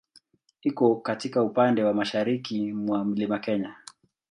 Iko katika upande wa mashariki mwa Mlima Kenya.